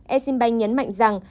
exim bank nhấn mạnh rằng